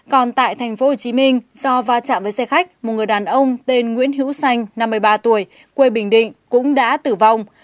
còn tại tp hcm do va chạm với xe khách một người đàn ông tên nguyễn hữu xanh năm mươi ba tuổi quê bình định cũng đã tử vong